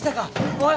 おい